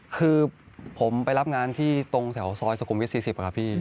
คือผมไปรับงานที่ตรงแถวซอยสุขุมวิท๔๐ครับพี่